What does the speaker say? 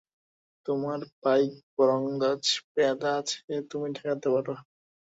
তোমার পাইক বরকন্দাজ পেয়াদা আছে, তুমি ঠেকাতে পার।